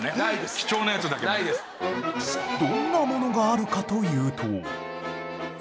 どんなものがあるかというと